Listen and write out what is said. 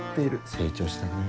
成長したねぇ。